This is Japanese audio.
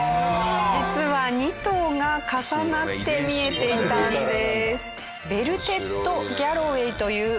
実は２頭が重なって見えていたんです。